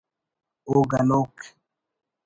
او گنوک